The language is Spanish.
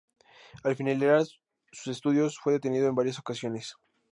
Al finalizar sus estudios fue detenido en varias ocasiones.